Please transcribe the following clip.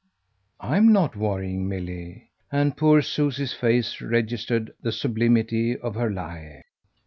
"I'm not worrying, Milly." And poor Susie's face registered the sublimity of her lie.